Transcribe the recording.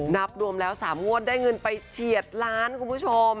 นับรวมแล้ว๓งวดได้เงินไปเฉียดล้านคุณผู้ชม